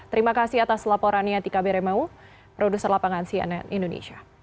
terima kasih atas laporannya tika beremau produser lapangan cnn indonesia